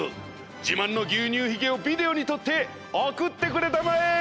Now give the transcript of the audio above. じまんのぎゅうにゅうヒゲをビデオにとっておくってくれたまえ。